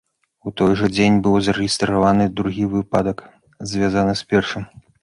У той жа дзень быў зарэгістраваны другі выпадак, звязаны з першым.